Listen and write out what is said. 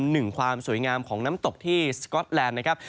หนึ่งความสวยงามของน้ำตกที่สก๊อตแลนด์นะครับ